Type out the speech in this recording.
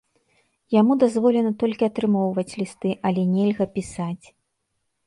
Яму дазволена толькі атрымоўваць лісты, але нельга пісаць.